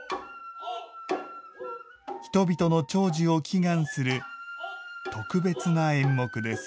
人々の長寿を祈願する特別な演目です。